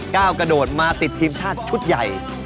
ก้าวกระโดดมาติดทีมชาติชุดใหญ่